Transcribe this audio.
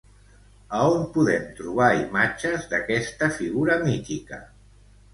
A on podem trobar imatges d'aquesta figura mítica?